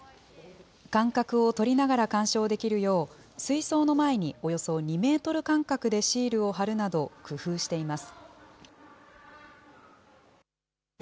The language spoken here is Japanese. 間隔を取りながら観賞できるよう、水槽の前におよそ２メートル間隔でシールを貼るなど、工夫しています。